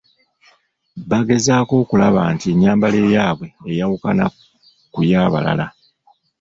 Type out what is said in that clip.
Bagezaako okulaba nti ennyambala eyaabwe eyawuka ku ya balala.